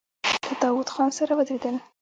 له داوود خان سره ودرېدل.